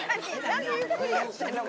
なんでゆっくりやってるの？